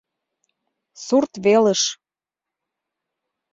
Сурт велыш.